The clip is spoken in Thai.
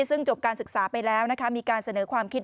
ซึ่งจบการศึกษาไปแล้วมีการเสนอความคิด